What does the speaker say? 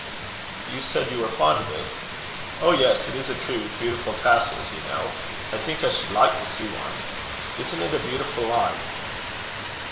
"You said you were fond of it." "Oh, yes; it is a tree with beautiful tassels, you know. I think I should like to see one. Isn't it a beautiful line?"